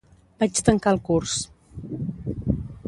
Vaig tancar el curs.